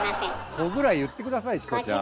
「こ」ぐらい言って下さいチコちゃん。